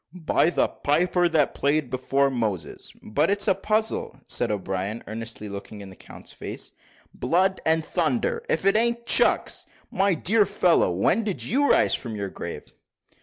"By the piper that played before Moses, but it's a puzzle," said O'Brien, earnestly looking in the count's face. "Blood and thunder! if it a'n't Chucks! my dear fellow, when did you rise from your grave?"